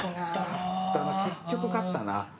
結局勝ったな。